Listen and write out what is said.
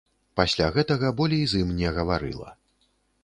Пасля гэтага болей з ім не гаварыла.